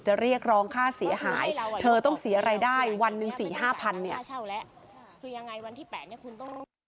จะเรียกรองค่าเสียหายเธอต้องเสียรายได้วันหนึ่ง๔๐๐๐๕๐๐๐บาท